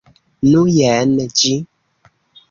Nu, jen ĝi.